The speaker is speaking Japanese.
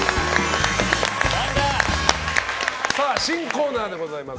新コーナーでございます。